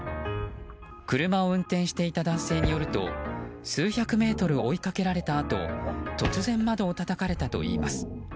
車を運転していた男性によると数百メートル追いかけられたあと突然、窓をたたかれたといいます。